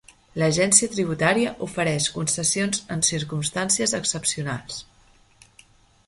L'Agència tributaria ofereix concessions en circumstàncies excepcionals.